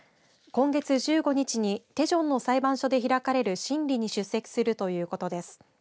今月１５日にテジョンの裁判所で開かれる審理に出席するということです。